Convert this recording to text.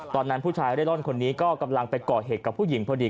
ตอนนั้นผู้ชายเร่ร่อนคนนี้ก็กำลังไปก่อเหตุกับผู้หญิงพอดี